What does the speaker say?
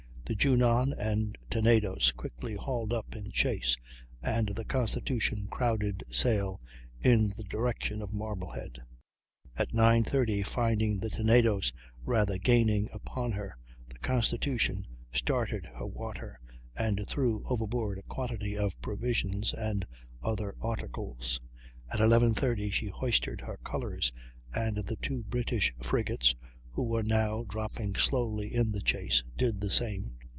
The Junon and Tenedos quickly hauled up in chase, and the Constitution crowded sail in the direction of Marblehead. At 9.30, finding the Tenedos rather gaining upon her, the Constitution started her water and threw overboard a quantity of provisions and other articles. At 11.30 she hoisted her colors, and the two British frigates, who were now dropping slowly in the chase, did the same.